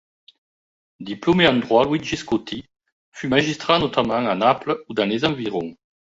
Diplômé en droit, Luigi Scotti fut magistrat notamment à Naples ou dans les environs.